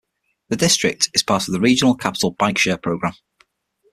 The District is part of the regional Capital Bikeshare program.